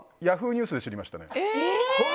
Ｙａｈｏｏ！ニュースで知りましたね。